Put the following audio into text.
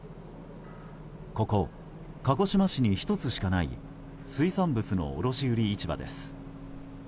ここ、鹿児島市に１つしかない水産物の卸売市場です。